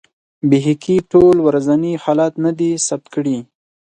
بیهقي ټول ورځني حالات نه دي ثبت کړي.